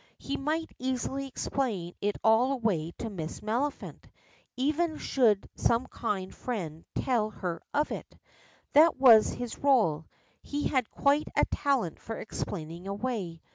He might easily explain it all away to Miss Maliphant, even should some kind friend tell her of it. That was his role. He had quite a talent for explaining away.